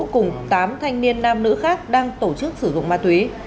cùng tám thanh niên nam nữ khác đang tổ chức sử dụng ma túy